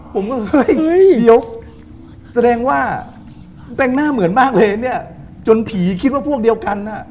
ผมก็เฮ้ยเดี๋ยวแสดงว่าแต่งหน้าเหมือนมากเลยเนี่ยจนผีคิดว่าพวกเดียวกันน่ะ